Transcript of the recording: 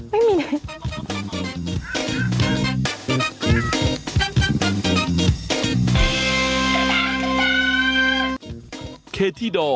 ไม่มี